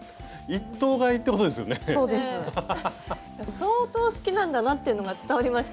相当好きなんだなっていうのが伝わりました。